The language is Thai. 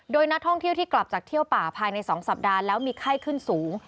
โดยนักท่องเที่ยวที่กลับจากเที่ยวป่าภายใน๒สัปดาห์แล้วมีไข้ขึ้นสูง